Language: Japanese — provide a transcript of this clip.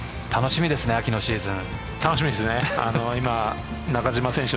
楽しみですね、秋のシーズン。